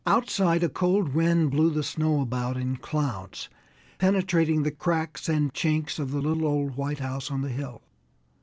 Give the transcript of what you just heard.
Outside a cold wind blew the snow about in clouds, penetrating the cracks and chinks of the little old white house on the hill.